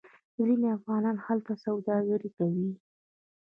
ځینې افغانان هلته سوداګري کوي.